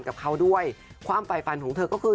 กับเขาด้วยความฝ่ายฝันของเธอก็คือ